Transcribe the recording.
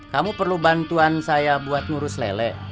kamu perlu bantuan saya buat ngurus lele